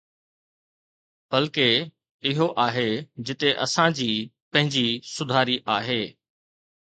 بلڪه، اهو آهي جتي اسان جي پنهنجي سڌاري آهي.